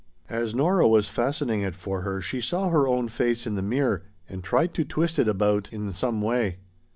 As Nora was fastening it for her she saw her own face in the mirror and tried to twist it about in some way.